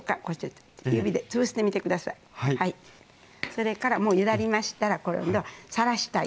それからもうゆだりましたら今度さらしたいですね。